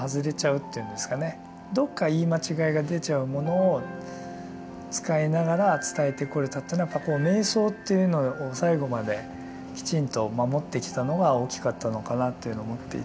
どっか言い間違いが出ちゃうものを使いながら伝えてこれたというのはやっぱこう瞑想というのを最後まできちんと守ってきたのが大きかったのかなというのを思っていて。